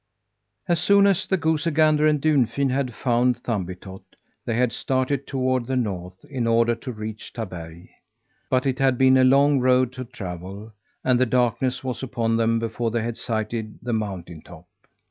As soon as the goosey gander and Dunfin had found Thumbietot, they had started toward the north, in order to reach Taberg. But it had been a long road to travel, and the darkness was upon them before they had sighted the mountain top.